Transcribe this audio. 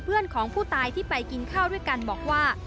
เพื่อนของผู้ตายที่ไปกินข้าวด้วยกันบอกว่า